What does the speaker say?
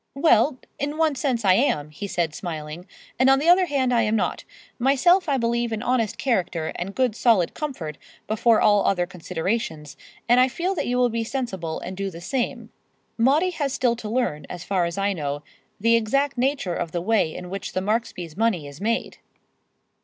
"Well, in one sense, I am," he said, smiling; "and on the other hand I am not. Myself I believe in honest character and good solid comfort before all other considerations, and I feel that you will be sensible and do the same. Maudie has still to learn, as far as I know, the exact nature of the way in which the Marksbys' money is made."